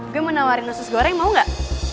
gue mau nawarin usus goreng mau gak